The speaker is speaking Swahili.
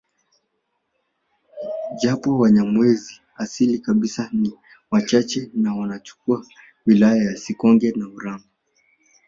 Japo wanyamwezi asili kabisa ni wachache na wanachukua wilaya ya Sikonge na urambo